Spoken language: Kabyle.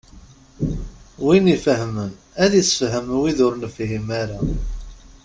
Win ifehmen ad issefhem wid ur nefhim ara.